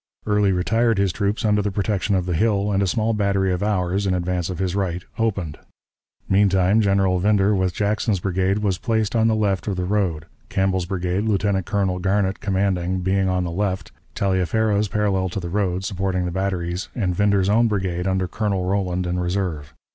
Early retired his troops under the protection of the hill, and a small battery of ours, in advance of his right, opened. Meantime General Winder with Jackson's brigade was placed on the left of the road, Campbell's brigade, Lieutenant Colonel Garnett commanding, being on the left, Taliaferro's parallel to the road, supporting the batteries, and Winder's own brigade under Colonel Roland in reserve.